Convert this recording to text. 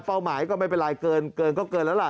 เป้าหมายก็ไม่เป็นไรเกินก็เกินแล้วล่ะ